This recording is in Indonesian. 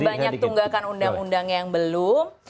kita sudah tunggakan undang undang yang belum